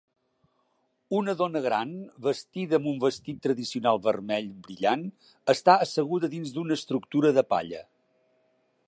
Una dona gran vestida amb un vestit tradicional vermell brillant està asseguda dins d'una estructura de palla.